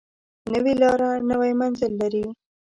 نوې لاره نوی منزل لري